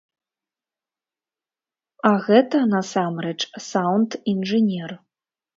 А гэта, насамрэч, саўнд-інжынер.